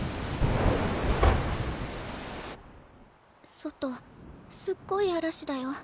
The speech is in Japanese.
外すっごい嵐だよ。